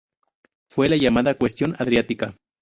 Fue la llamada Cuestión Adriática.